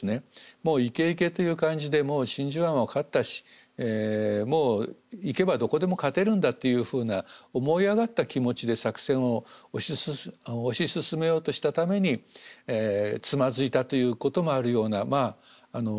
もうイケイケという感じで真珠湾は勝ったしもう行けばどこでも勝てるんだというふうな思い上がった気持ちで作戦を推し進めようとしたためにつまずいたということもあるようなまあ作戦だったんですね。